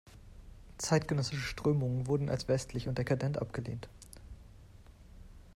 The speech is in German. Zeitgenössische Strömungen wurden als westlich und dekadent abgelehnt.